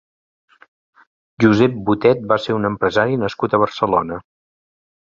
Josep Botet va ser un empresari nascut a Barcelona.